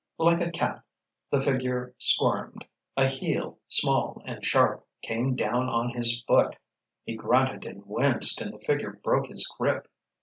Like a cat the figure squirmed, a heel, small and sharp, came down on his foot. He grunted and winced and the figure broke his grip.